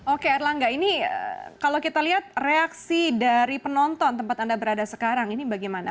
oke erlangga ini kalau kita lihat reaksi dari penonton tempat anda berada sekarang ini bagaimana